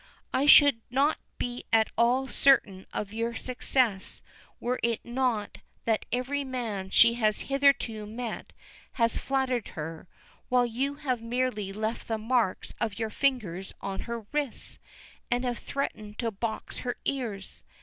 I should not be at all certain of your success were it not that every man she has hitherto met has flattered her, while you have merely left the marks of your fingers on her wrists and have threatened to box her ears.